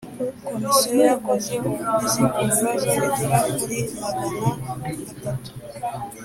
Komisiyo yakoze ubuvugizi ku bibazo bigera kuri Magana atatu